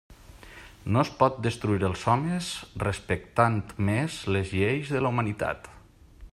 No es pot destruir els homes respectant més les lleis de la humanitat.